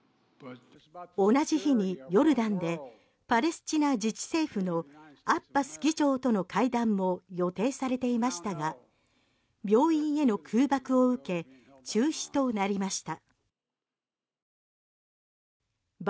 同じ日にヨルダンでパレスチナ自治政府のアッバス議長との会談も予定されていましたが病院への空爆を受け中止となりました。